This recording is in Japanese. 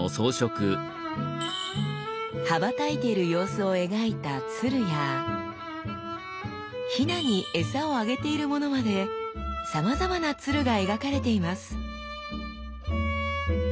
羽ばたいている様子を描いた鶴やヒナに餌をあげているものまでさまざまな鶴が描かれています。